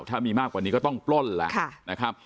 ถ้ามีมากกว่านี้ก็ต้องปล้นแล้วนะครับ